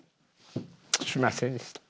すみませんでした。